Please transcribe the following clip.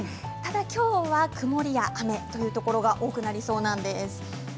ただ、きょうは曇りや雨というところが多くなりそうなんです。